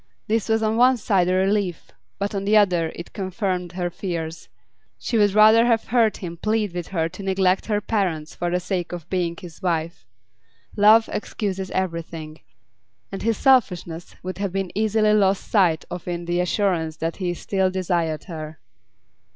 This was on one side a relief but on the other it confirmed her fears. She would rather have heard him plead with her to neglect her parents for the sake of being his wife. Love excuses everything, and his selfishness would have been easily lost sight of in the assurance that he still desired her.